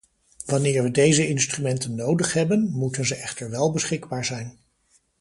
Wanneer we deze instrumenten nodig hebben, moeten ze echter wel beschikbaar zijn.